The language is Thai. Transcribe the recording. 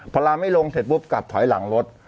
พอลาไม่ลงเสร็จปุ๊บกลับถอยหลังรถ